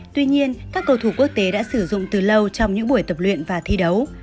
tuy nhiên các cầu thủ quốc tế đã sử dụng từ lâu trong những buổi tập luyện và thi đấu